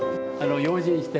用心して。